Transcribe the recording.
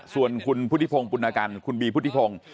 ส่วนคุณพุทธิพงศ์ปุณกันคุณบีพุทธิพงศ์